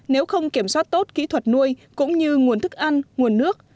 nếu không kiểm soát tốt kỹ thuật nuôi cũng như nguồn thức ăn nguồn nước